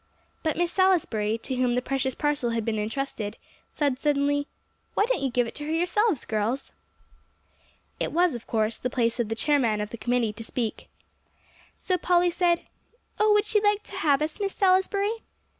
But Miss Salisbury, to whom the precious parcel had been intrusted, said suddenly, "Why don't you give it to her yourselves, girls?" It was, of course, the place of the chairman of the committee to speak. So Polly said, "Oh, would she like to have us, Miss Salisbury?"